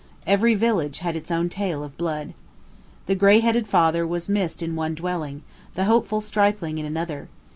Every village had its own tale of blood. The greyheaded father was missed in one dwelling, the hopeful stripling in another.